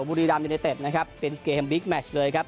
บริดามยนต์เนเตศนะครับเป็นเกมบิ๊กแมชเลยครับ